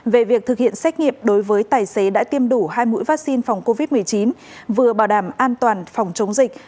về việc thực hiện xét nghiệm đối với tài xế đã tiêm đủ hai mũi vaccine phòng covid một mươi chín vừa bảo đảm an toàn phòng chống dịch